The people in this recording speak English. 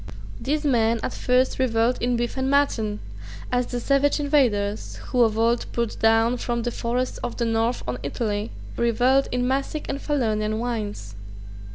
These men at first revelled in beef and mutton, as the savage invaders, who of old poured down from the forests of the north on Italy, revelled in Massic and Falernian wines.